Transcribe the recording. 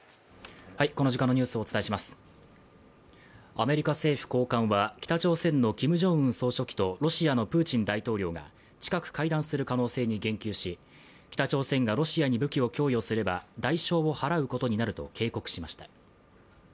アメリカ政府高官は北朝鮮のキム・ジョンウン総書記とロシアのプーチン大統領が近く会談する可能性に言及し北朝鮮がロシアに武器を供与すれば代償を払うことになると警告しました。